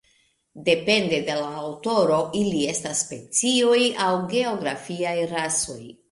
Depende de la aŭtoro ili estas specioj aŭ geografiaj rasoj.